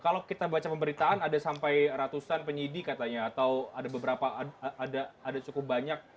kalau kita baca pemberitaan ada sampai ratusan penyidi katanya atau ada cukup banyak